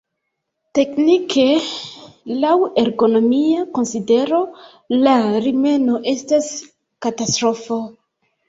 Teknike, laŭ ergonomia konsidero la rimeno estas katastrofo.